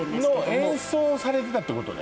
演奏をされてたってことね？